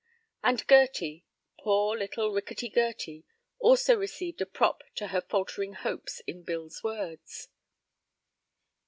And Gerty; poor little, rickety Gerty, also received a prop to her faltering hopes in Bill's words.